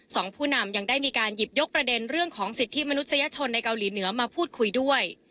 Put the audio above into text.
ผู้นำยังได้มีการหยิบยกประเด็นเรื่องของสิทธิมนุษยชนในเกาหลีเหนือมาพูดคุยด้วย